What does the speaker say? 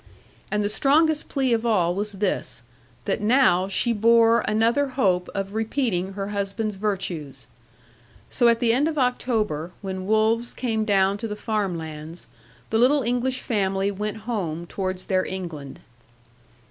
And the strongest plea of all was this, that now she bore another hope of repeating her husband's virtues. So at the end of October, when wolves came down to the farm lands, the little English family went home towards their England.